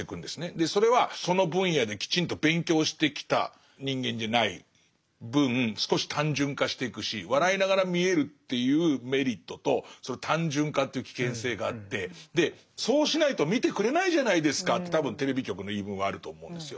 でそれはその分野できちんと勉強してきた人間じゃない分少し単純化してくし笑いながら見れるっていうメリットとその単純化っていう危険性があってでそうしないと見てくれないじゃないですかって多分テレビ局の言い分はあると思うんですよ。